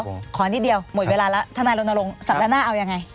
เดี๋ยวขอนิดเดียวหมดเวลาแล้วถ้านายลงน่ารง๑๓หน้าเอายังไง